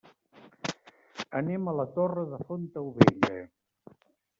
Anem a la Torre de Fontaubella.